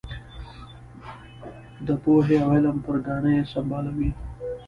د پوهې او علم پر ګاڼه یې سمبالوي.